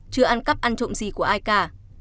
chưa ăn cắp ăn trộm gì của ai cả